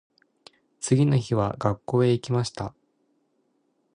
次の日は学校へ行きました。